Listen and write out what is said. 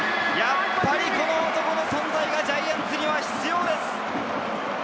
やっぱりこの男の存在がジャイアンツにも必要です。